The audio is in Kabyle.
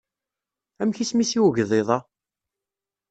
Amek isem-is i ugḍiḍ-a?